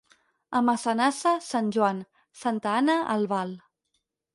A Massanassa, Sant Joan; Santa Anna a Albal.